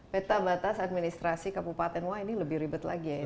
peta batas administrasi kapupaten y ini lebih ribet lagi ya ini bisa